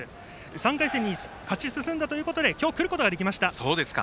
３回戦に勝ち進んだということで今日来ることができました。